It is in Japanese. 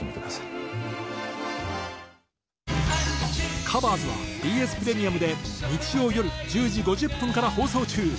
「ｔｈｅＣｏｖｅｒｓ」はＢＳプレミアムで日曜夜１０時５０分から放送中！